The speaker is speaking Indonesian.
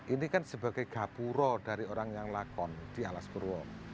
ini kan sebagai gapuro dari orang yang lakon di alas purwo